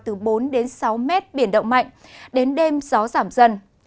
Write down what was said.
từ bốn đến sáu mét biển động mạnh đến đêm gió giảm dần